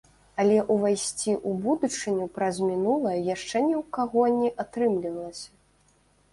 Але ўвайсці ў будучыню праз мінулае яшчэ ні ў каго не атрымлівалася.